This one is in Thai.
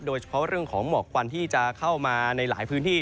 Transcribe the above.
โดยเฉพาะเรื่องของหมอกควันที่จะเข้ามาในหลายพื้นที่